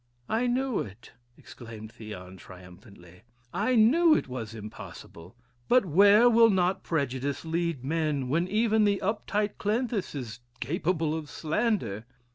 "I knew it," exclaimed Theon, triumphantly, "I knew it was impossible. But where will not prejudice lead men, when even the uptight Cleanthes is capable of slander?"